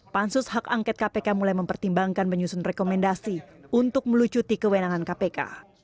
pansus hak angket kpk mulai mempertimbangkan menyusun rekomendasi untuk melucuti kewenangan kpk